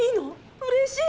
うれしい！